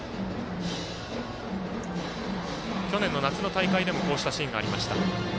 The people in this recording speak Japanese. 去年の夏の大会でもこういうシーンがありました。